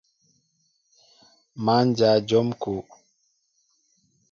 Má ndyă njóm kúw.